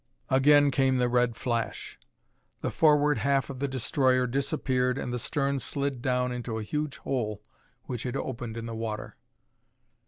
Again came the red flash. The forward half of the destroyer disappeared and the stern slid down into a huge hole which had opened in the water.